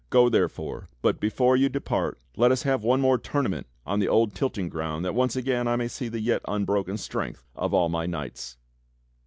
Go therefore, but before you depart let us have one more tournament on the old tilting ground that once again I may see the yet unbroken strength of all my knights."